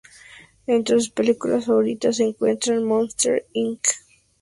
Entre sus películas favoritas se encuentran Monsters, Inc.